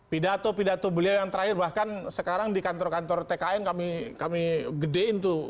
pidato pidato beliau yang terakhir bahkan sekarang di kantor kantor tkn kami gedein tuh